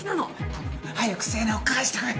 頼む早く星名を返してくれ。